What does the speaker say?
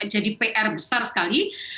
jadi pr besar sekali